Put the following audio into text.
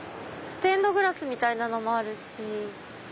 ステンドグラスみたいなのもあるし。